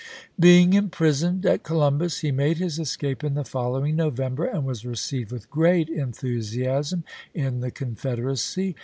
Being imprisoned at Columbus, he made his escape in the following November, and was received with great enthusiasm in the Con federacy.